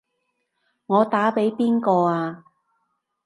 我打畀邊個啊？